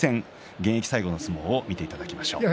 現役最後の相撲を見ていただきましょう。